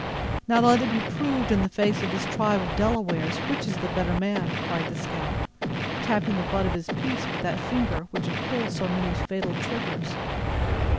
"Now let it be proved, in the face of this tribe of Delawares, which is the better man," cried the scout, tapping the butt of his piece with that finger which had pulled so many fatal triggers.